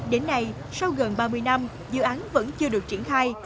đến nay sau gần ba mươi năm dự án vẫn chưa được triển khai